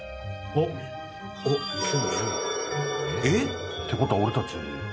えっ？ってことは俺たち。